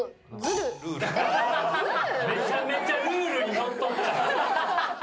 めちゃめちゃルールにのっとった。